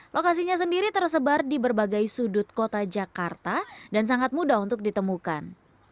lokasinya sendiri tersebar di berbagai sudut kota jakarta dan sangat mudah untuk ditemukan